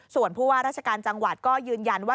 ส่วนผู้ว่าราชการจังหวัดก็ยืนยันว่า